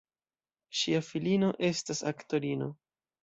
Ŝia filino estas aktorino.